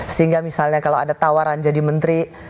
sehingga misalnya kalau ada tawaran jadi menteri